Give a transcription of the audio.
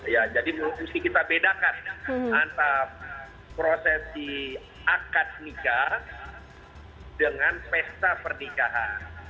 ya jadi mesti kita bedakan antara prosesi akad nikah dengan pesta pernikahan